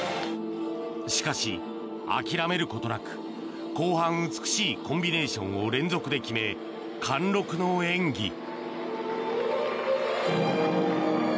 しかし、諦めることなく後半、美しいコンビネーションを連続で決め、貫禄の演技。